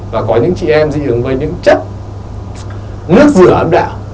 và có những chị em dị ứng với những chất nước rửa âm đạo